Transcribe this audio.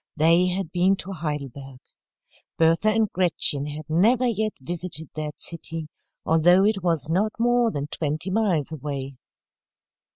They had been to Heidelberg. Bertha and Gretchen had never yet visited that city, although it was not more than twenty miles away.